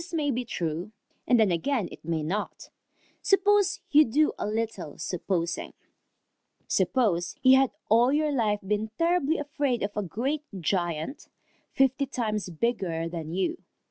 This may be true, and then again it may not. Suppose you do a little supposing. Suppose you had all your life been terribly afraid of a great giant fifty times bigger than you.